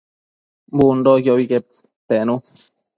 Bundoquiobi que penu